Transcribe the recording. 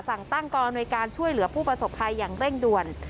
สั่งตั้งกองอำนวยการช่วยเหลือผู้ประสบภัยอย่างเร่งด่วน